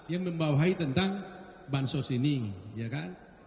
yang membawahi tentang bansos ini ya kan